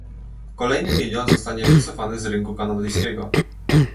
Kolejny milion zostanie wycofany z rynku kanadyjskiego